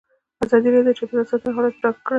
ازادي راډیو د چاپیریال ساتنه حالت په ډاګه کړی.